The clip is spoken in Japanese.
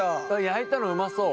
焼いたのうまそう。